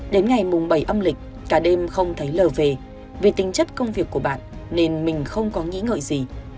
đến ngày mùng bảy âm lịch cả đêm không thấy lờ về vì tính chất công việc của bạn nên mình không có nghĩ ngợi gì